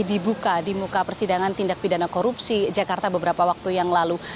dibuka di muka persidangan tindak pidana korupsi jakarta beberapa waktu yang lalu